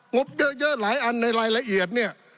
งบเยอะหลายอันในรายละเอียด